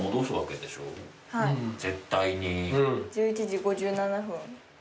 １１時５７分。